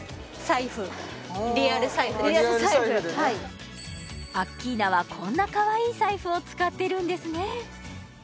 リアル財布アッキーナはこんなかわいい財布を使ってるんですね